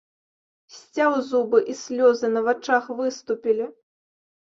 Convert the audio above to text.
Сцяў зубы, і слёзы на вачах выступілі.